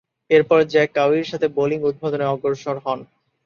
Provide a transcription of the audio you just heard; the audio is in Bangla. এরপর, জ্যাক কাউয়ি’র সাথে বোলিং উদ্বোধনে অগ্রসর হন।